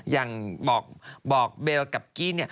อย่างบอกเบลล์กับกี้นี่